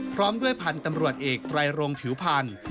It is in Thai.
พร้อมด้วยพันธุ์ตำรวจเอกไตรรงผิวพันธ์